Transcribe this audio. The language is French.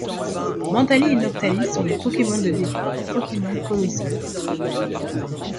Mentali et Noctali sont les Pokémon de départ de Pokémon Colosseum.